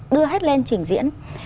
đưa hết lên trình diễn